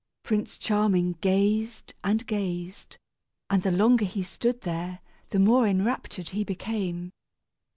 Prince Charming gazed and gazed, and the longer he stood there, the more enraptured he became.